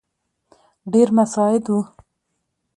ډېر مساعد وو.